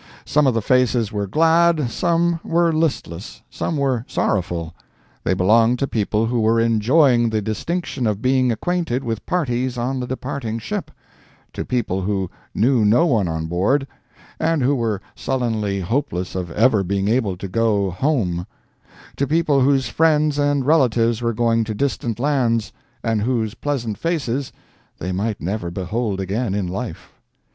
Some of the faces were glad, some were listless, some were sorrowful—they belonged to people who were enjoying the distinction of being acquainted with parties on the departing ship—to people who knew no one on board, and who were sullenly hopeless of ever being able to go "home"—to people whose friends and relatives were going to distant lands, and whose pleasant faces they might never behold again in life.